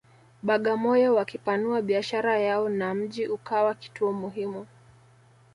Bagamoyo wakipanua biashara yao na mji ukawa kituo muhimu